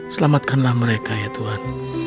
selamatkanlah mereka ya tuhan